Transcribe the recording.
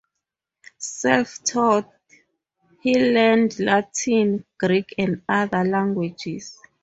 Self-taught, he learned Latin, Greek and other languages.